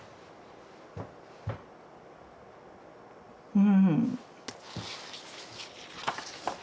うん。